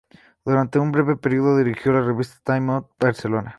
Durante un breve periodo dirigió la revista "Time Out Barcelona.